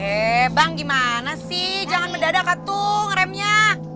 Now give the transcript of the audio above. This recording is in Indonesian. eh bang gimana sih jangan mendadak katung remnya